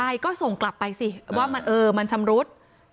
ใช่ก็ส่งกลับไปสิว่ามันชำรุด